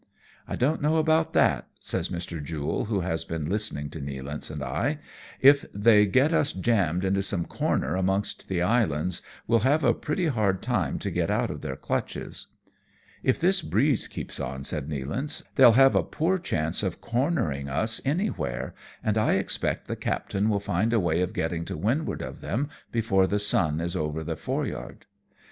" I don't know about that," says Mr. Jule, who has been listening to Nealance and I; "if they get us jammed into some corner amongst the islands, we'll have a pretty hard time to get out of their clutches." " If this breeze keeps on," says Nealance, " they'll have a poor chance of cornering us anywhere, and I expect the captain will find a way of getting to wind ward of them before the sun is over the foreyard."